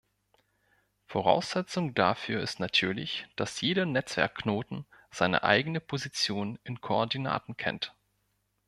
Voraussetzung dafür ist natürlich, dass jeder Netzwerkknoten seine eigene Position in Koordinaten kennt.